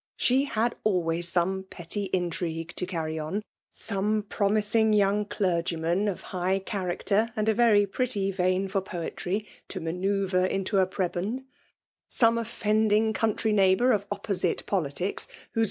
She had always some petty intrigue to carry on, some promising young clergyman, of high cha racter and a very pretty vein for poetry, to manoeuvre into a prebend; some offending country neighbour of opposite politics, whose FEMALE DOMINATION.